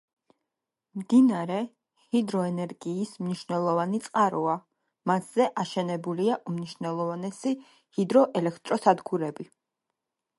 მდინარე ჰიდროენერგიის მნიშვნელოვანი წყაროა, მასზე აშენებულია უმნიშვნელოვანესი ჰიდროელექტროსადგურები.